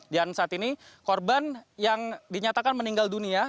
dan saat ini korban yang dinyatakan meninggal dunia